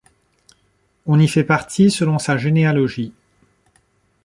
On y fait partie selon sa généalogie.